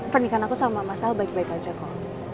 pernikahan aku sama mas al baik baik aja kok